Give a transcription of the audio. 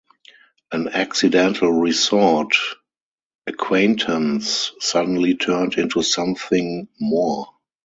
An accidental resort acquaintance suddenly turned into something more.